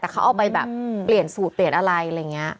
แต่เขาเอาไปแบบเปลี่ยนสูตรเปลี่ยนอะไรอะไรอย่างนี้